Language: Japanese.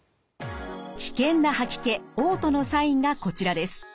危険な吐き気・おう吐のサインがこちらです。